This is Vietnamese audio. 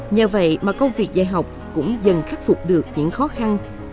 nhờ vậy mà công việc dạy học cũng dần khắc phục được những khó khăn